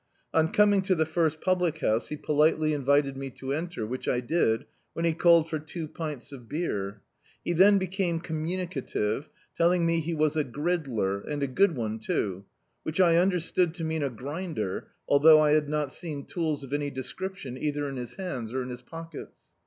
On coming to the first public house he politely invited me to enter, which I did, when he called for two pints of beer He then became communicative, telling me he was a gridler, and a good one too; which I understood to mean a grinder, although I had not seen tools of any description either in his hands or in his pockets.